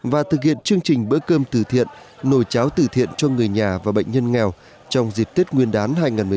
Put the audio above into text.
và thực hiện chương trình bữa cơm từ thiện nồi cháo tử thiện cho người nhà và bệnh nhân nghèo trong dịp tết nguyên đán hai nghìn một mươi chín